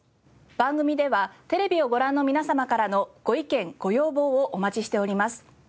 番組ではテレビをご覧の皆様からのご意見ご要望をお待ちしております。